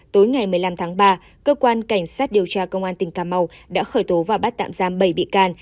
tối ngày một mươi năm tháng ba cơ quan cảnh sát điều tra công an tỉnh cà mau đã khởi tố và bắt tạm giam bảy bị can